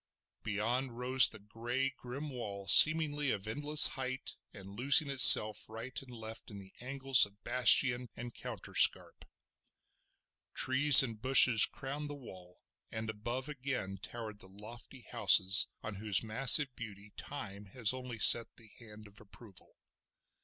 Beyond rose the grey, grim wall seemingly of endless height, and losing itself right and left in the angles of bastion and counterscarp. Trees and bushes crowned the wall, and above again towered the lofty houses on whose massive beauty Time has only set the hand of approval.